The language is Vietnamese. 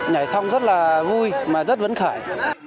nhảy xong rất là vui mà rất vấn khởi